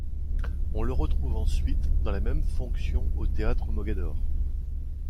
On le retrouve ensuite dans les mêmes fonctions au théâtre Mogador.